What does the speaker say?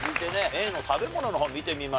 Ａの食べ物の方見てみましょう。